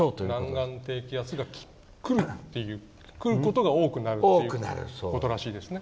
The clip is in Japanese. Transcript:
南岸低気圧が来ることが多くなるということらしいですね。